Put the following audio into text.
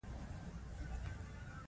اوبدنې د څرخ اختراع د لاس کار اسانه کړ.